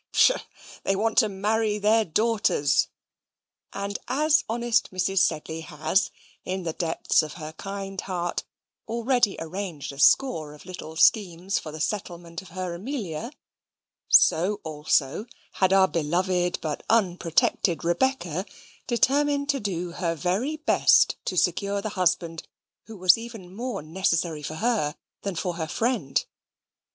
Psha! they want to marry their daughters; and, as honest Mrs. Sedley has, in the depths of her kind heart, already arranged a score of little schemes for the settlement of her Amelia, so also had our beloved but unprotected Rebecca determined to do her very best to secure the husband, who was even more necessary for her than for her friend.